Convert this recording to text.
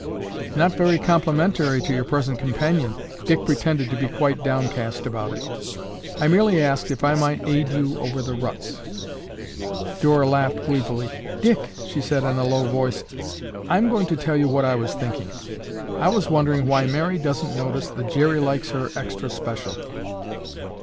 "Not very complimentary to your present companion." Dick pretended to be quite downcast about it. "I merely asked if I might aid you over the ruts—" Dora laughed gleefully. "Dick," she said in a low voice, "I'm going to tell you what I was thinking. I was wondering why Mary doesn't notice that Jerry likes her extra special."